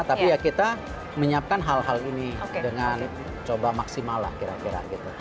tapi ya kita menyiapkan hal hal ini dengan coba maksimal lah kira kira gitu